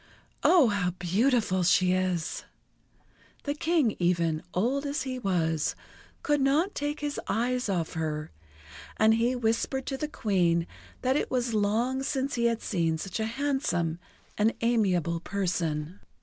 "Oh, how beautiful she is!" The King even, old as he was, could not take his eyes off her, and he whispered to the Queen that it was long since he had seen such a handsome and amiable person.